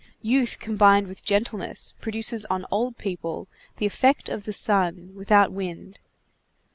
Youth combined with gentleness produces on old people the effect of the sun without wind.